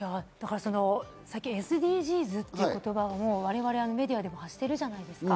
最近ＳＤＧｓという言葉をメディアでも発しているじゃないですか。